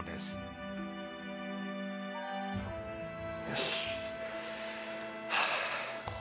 よし。